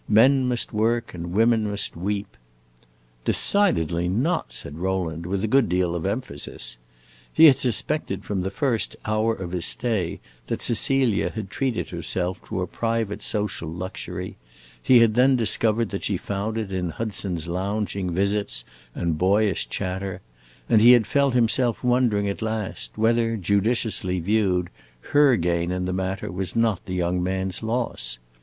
Men must work and women must weep!" "Decidedly not!" said Rowland, with a good deal of emphasis. He had suspected from the first hour of his stay that Cecilia had treated herself to a private social luxury; he had then discovered that she found it in Hudson's lounging visits and boyish chatter, and he had felt himself wondering at last whether, judiciously viewed, her gain in the matter was not the young man's loss.